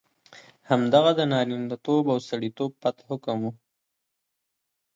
همدغه د نارینتوب او سړیتوب پت حکم وو.